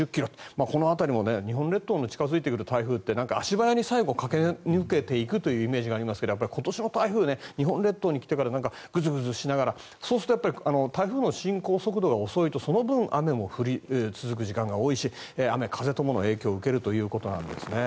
この辺りも日本列島に近付いてくる台風って足早に最後、駆け抜けていくというイメージがありますが今年の台風日本列島に来てからぐずぐずしながら、そうすると台風の進行速度が遅いとその分雨も降り続く時間も多いし雨風ともに影響を受けるということなんですね。